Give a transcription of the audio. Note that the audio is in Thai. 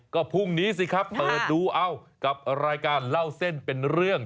ก็พรุ่งนี้สิครับเปิดดูเอากับรายการเล่าเส้นเป็นเรื่อง